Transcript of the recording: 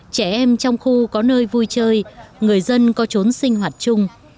trẻ em trong khu có nơi vui chơi người dân có trốn sinh hoạt chung